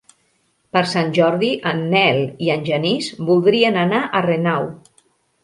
Per Sant Jordi en Nel i en Genís voldrien anar a Renau.